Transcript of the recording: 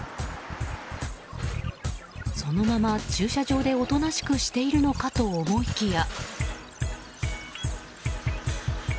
そのまま駐車場でおとなしくしているのかと思いきや。